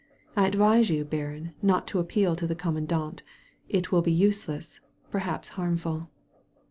I advise you, baron, not to ap peal to the commandant. It will be useless, per haps harmful."